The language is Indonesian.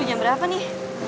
udah jam berapa nih